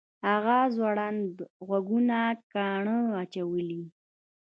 هغه ځوړند غوږونه کاڼه اچولي